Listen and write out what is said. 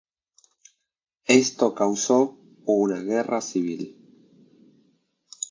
Esto causó una guerra civil.